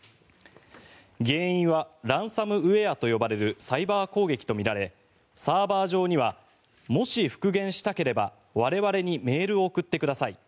原因はランサムウェアと呼ばれるサイバー攻撃とみられサーバー上にはもし復元したければ我々にメールを送ってください